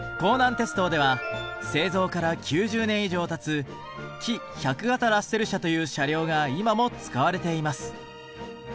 鉄道では製造から９０年以上たつ「キ１００形ラッセル車」という車両が今も使われています。